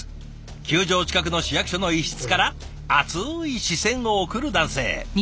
球場近くの市役所の一室から熱い視線を送る男性。